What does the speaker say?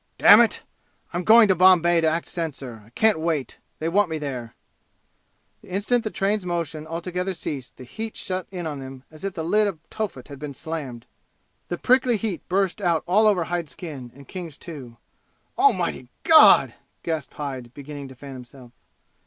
"Damn it! I'm going to Bombay to act censor. I can't wait they want me there." The instant the train's motion altogether ceased the heat shut in on them as if the lid of Tophet had been slammed. The prickly heat burst out all over Hyde's skin and King's too. "Almighty God!" gasped Hyde, beginning to fan himself.